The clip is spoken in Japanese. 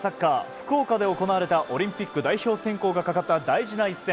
福岡で行われたオリンピック代表選考がかかった大事な一戦。